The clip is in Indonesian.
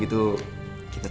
ketemu degrees hasan